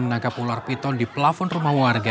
menangkap ular piton di pelafon rumah warga